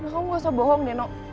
kamu gak usah bohong nenek